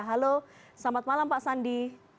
halo selamat malam pak sandi